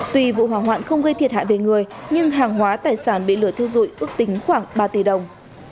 tuy vụ hỏa hoạn không gây thiệt hại về người nhưng hàng hóa tài sản bị lửa thiêu dụi ước tính khoảng ba tỷ đồng